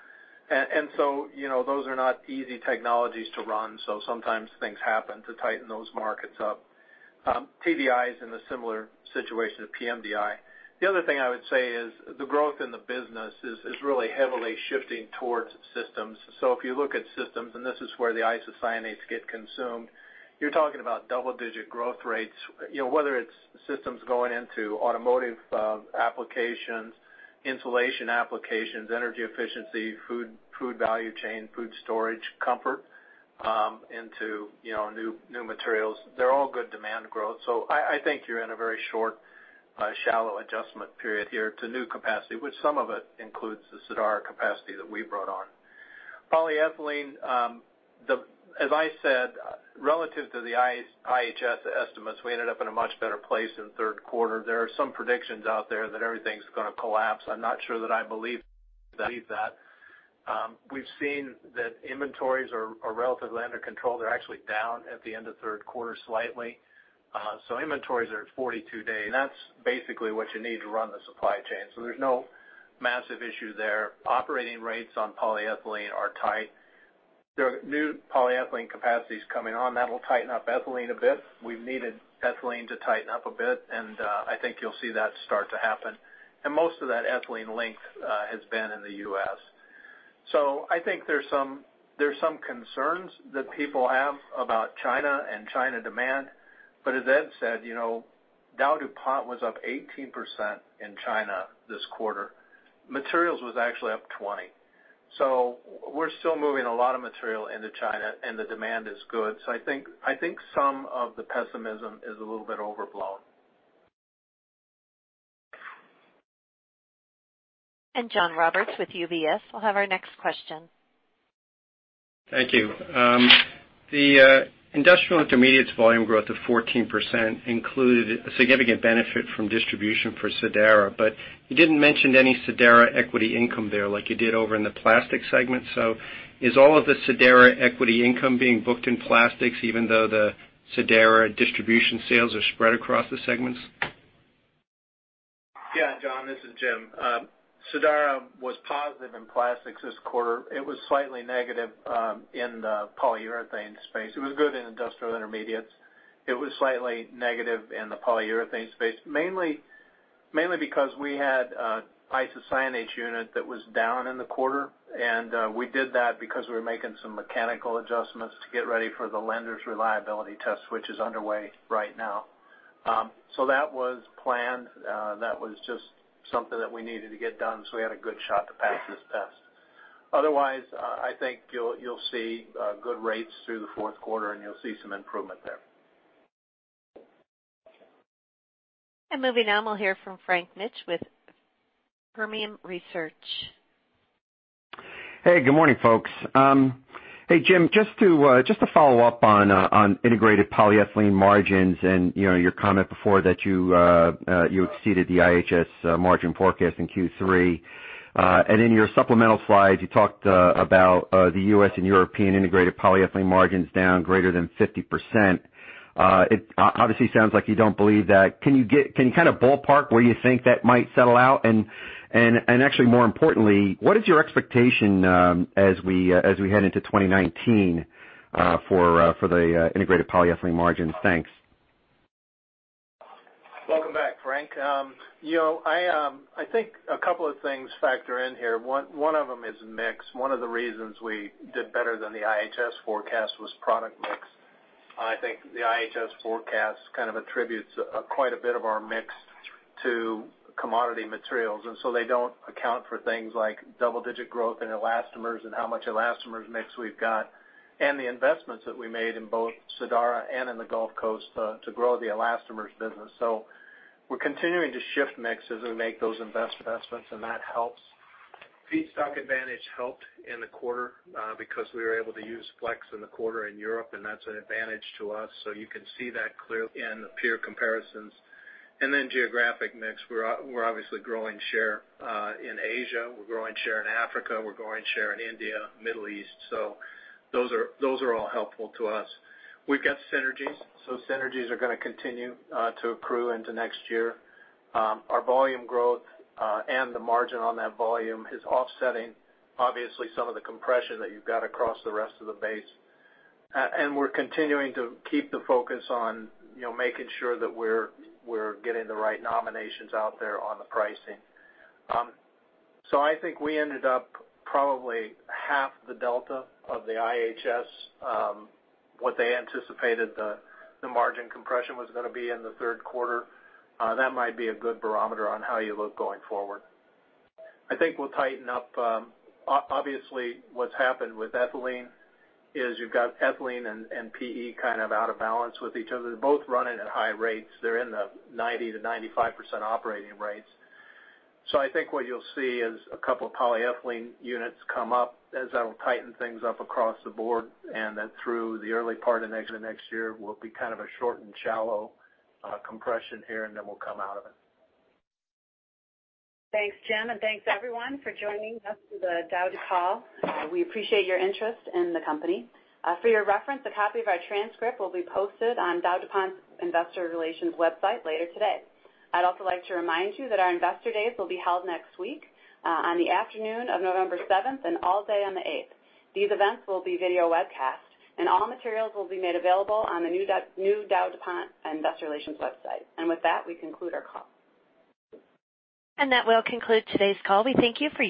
Speaker 5: Those are not easy technologies to run. Sometimes things happen to tighten those markets up. TDI is in a similar situation to PMDI. The other thing I would say is the growth in the business is really heavily shifting towards systems. If you look at systems, and this is where the isocyanates get consumed, you're talking about double-digit growth rates. Whether it's systems going into automotive applications, insulation applications, energy efficiency, food value chain, food storage, comfort into new materials, they're all good demand growth. I think you're in a very short, shallow adjustment period here to new capacity, which some of it includes the Sadara capacity that we brought on. Polyethylene, as I said, relative to the IHS estimates, we ended up in a much better place in the third quarter. There are some predictions out there that everything's going to collapse. I'm not sure that I believe that. We've seen that inventories are relatively under control. They're actually down at the end of third quarter slightly. Inventories are at 42 days. That's basically what you need to run the supply chain. There's no massive issue there. Operating rates on polyethylene are tight. There are new polyethylene capacities coming on that will tighten up ethylene a bit. We've needed ethylene to tighten up a bit, and I think you'll see that start to happen. Most of that ethylene link has been in the U.S. I think there's some concerns that people have about China and China demand, but as Ed said, DowDuPont was up 18% in China this quarter. Materials was actually up 20%. We're still moving a lot of material into China, and the demand is good. I think some of the pessimism is a little bit overblown.
Speaker 1: John Roberts with UBS will have our next question.
Speaker 18: Thank you. The Industrial Intermediates volume growth of 14% included a significant benefit from distribution for Sadara, but you didn't mention any Sadara equity income there like you did over in the plastics segment. Is all of the Sadara equity income being booked in plastics even though the Sadara distribution sales are spread across the segments?
Speaker 5: Yeah, John, this is Jim. Sadara was positive in plastics this quarter. It was slightly negative in the polyurethane space. It was good in industrial intermediates. It was slightly negative in the polyurethane space, mainly because we had an isocyanates unit that was down in the quarter, and we did that because we were making some mechanical adjustments to get ready for the lenders' reliability test, which is underway right now. That was planned. That was just something that we needed to get done so we had a good shot to pass this test. Otherwise, I think you'll see good rates through the fourth quarter, and you'll see some improvement there.
Speaker 1: Moving on, we'll hear from Frank Mitsch with Fermium Research.
Speaker 19: Hey, good morning, folks. Hey, Jim, just to follow up on integrated polyethylene margins and your comment before that you exceeded the IHS margin forecast in Q3. In your supplemental slides, you talked about the U.S. and European integrated polyethylene margins down greater than 50%. It obviously sounds like you don't believe that. Can you ballpark where you think that might settle out? Actually more importantly, what is your expectation as we head into 2019 for the integrated polyethylene margins? Thanks.
Speaker 5: Welcome back, Frank. I think a couple of things factor in here. One of them is mix. One of the reasons we did better than the IHS forecast was product mix. I think the IHS forecast kind of attributes quite a bit of our mix to commodity materials, and so they don't account for things like double-digit growth in elastomers and how much elastomers mix we've got and the investments that we made in both Sadara and in the Gulf Coast to grow the elastomers business. We're continuing to shift mix as we make those investments, and that helps. Feedstock Advantage helped in the quarter because we were able to use flex in the quarter in Europe, and that's an advantage to us. You can see that clearly in the peer comparisons. Geographic mix, we're obviously growing share in Asia, we're growing share in Africa, we're growing share in India, Middle East. Those are all helpful to us. We've got synergies. Synergies are going to continue to accrue into next year. Our volume growth and the margin on that volume is offsetting, obviously, some of the compression that you've got across the rest of the base. We're continuing to keep the focus on making sure that we're getting the right nominations out there on the pricing. I think we ended up probably half the delta of the IHS, what they anticipated the margin compression was going to be in the third quarter. That might be a good barometer on how you look going forward. I think we'll tighten up. Obviously, what's happened with ethylene is you've got ethylene and PE kind of out of balance with each other. They're both running at high rates. They're in the 90%-95% operating rates. I think what you'll see is a couple of polyethylene units come up. That'll tighten things up across the board, and then through the early part of next year will be kind of a short and shallow compression here, and then we'll come out of it.
Speaker 8: Thanks, Jim, and thanks everyone for joining us for the Dow call. We appreciate your interest in the company. For your reference, a copy of our transcript will be posted on DowDuPont's Investor Relations website later today. I'd also like to remind you that our Investor Days will be held next week on the afternoon of November 7th and all day on the 8th. These events will be video webcast, and all materials will be made available on the new DowDuPont Investor Relations website. With that, we conclude our call.
Speaker 1: That will conclude today's call. We thank you for your participation.